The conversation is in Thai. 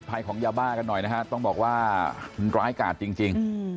ภัยของยาบ้ากันหน่อยนะฮะต้องบอกว่ามันร้ายกาดจริง